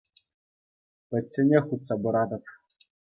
Пӗчченех утса пыратӑп.